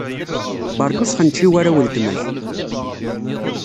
Beṛka ur sxenciw ara weltma-k.